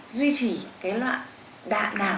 duy trì cái loạn đạn nào